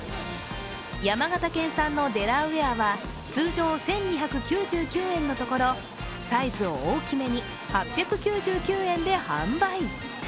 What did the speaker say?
山形県産のデラウェアは通常１２９９円のところ、サイズを大きめに、８９９円で販売。